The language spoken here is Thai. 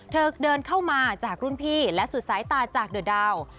เธอเดินเข้ามาจากรุ่นพี่และสุดสายตาจากเดอะดาว